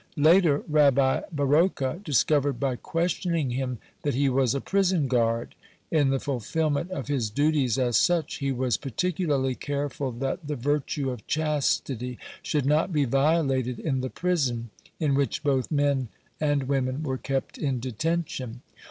Later Rabbi Baroka discovered by questioning him that he was a prison guard. In the fulfilment of his duties as such he was particularly careful that the virtue of chastity should not be violated in the prison, in which both men women were kept in detention.